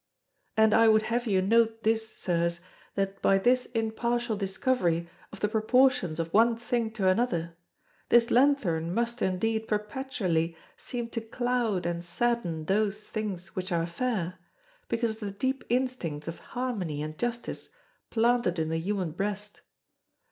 And I would have you note this, Sirs, that by this impartial discovery of the proportions of one thing to another, this lanthorn must indeed perpetually seem to cloud and sadden those things which are fair, because of the deep instincts of harmony and justice planted in the human breast.